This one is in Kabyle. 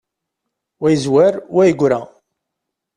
Wa yezwar, wa yegra.